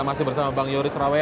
masih bersama bang yoris rawe